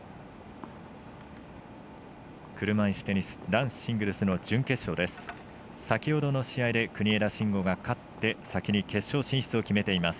車いすテニス男子シングルスの準決勝です。